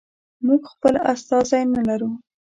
موږ خپل استازی نه لرو.